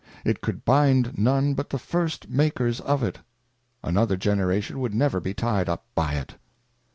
It could bind none but the first makers of it, another generation would never be tied up by it.